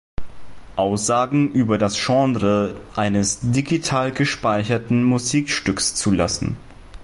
Aussagen über das Genre eines digital gespeicherten Musikstücks zulassen.